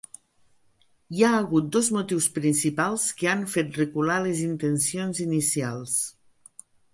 Hi ha hagut dos motius principals que han fet recular les intencions inicials.